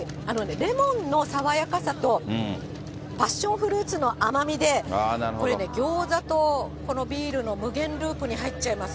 レモンの爽やかさと、パッションフルーツの甘みで、これね、餃子とこのビールの無限ループに入っちゃいます。